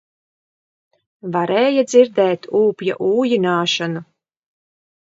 Varēja dzirdēt ūpja ūjināšanu